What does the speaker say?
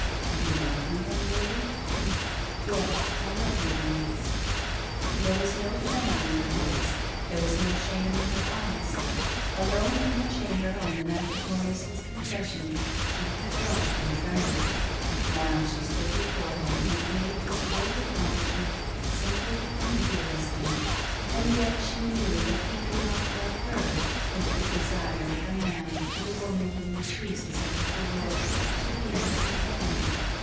" You love me then, Lily ?" "Yes, I love you, Maurice." There was no tremor in her voice. There was no shame in her eyes. Alone in her chamber on the night of Maurice's confession she had flushed and trembled. Now she stood before him and made this great acknowledgment simply and fear lessly. And yet she knew that he did not love her with the desire of man to the woman whom he chooses out of the world to be his com panion.